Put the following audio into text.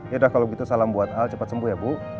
yaudah kalau gitu salam buat al cepat sembuh ya bu